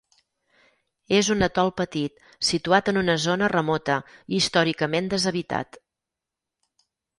És un atol petit situat en una zona remota i històricament deshabitat.